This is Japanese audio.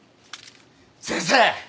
先生！